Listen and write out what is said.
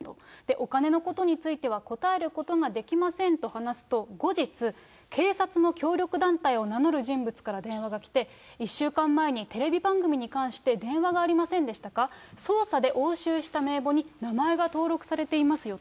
お金のことについては答えることができませんと話すと、後日、警察の協力団体を名乗る人物から電話がきて、１週間前にテレビ番組に関して電話がありませんでしたか、捜査で押収した名簿に、名前が登録されていますよと。